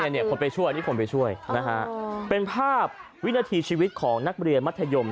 นี่คือคนไปช่วยเป็นภาพวินาทีชีวิตของนักเรียนมัธยม